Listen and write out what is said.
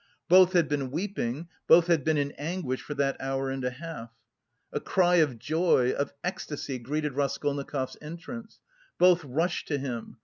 Both had been weeping, both had been in anguish for that hour and a half. A cry of joy, of ecstasy, greeted Raskolnikov's entrance. Both rushed to him.